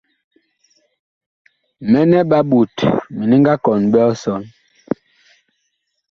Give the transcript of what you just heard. Mɛnɛ ɓa ɓot mini nga kɔn ɓe ɔsɔn.